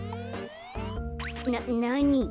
ななに？